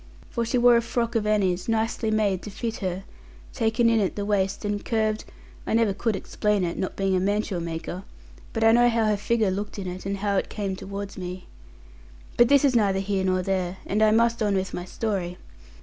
For she wore a frock of Annie's, nicely made to fit her, taken in at the waist and curved I never could explain it, not being a mantua maker; but I know how her figure looked in it, and how it came towards me. But this is neither here nor there; and I must on with my story.